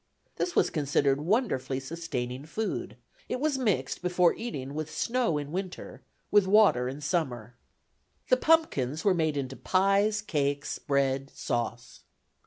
This was considered wonderfully sustaining food; it was mixed, before eating, with snow in winter, with water in summer. The pumpkins were made into "pyes," cakes, bread, sauce.